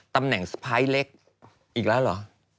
ตำแหน่งสไพร์สเล็กอีกแล้วเหรอ